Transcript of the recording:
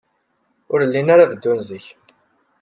Ur llin ara beddun zik.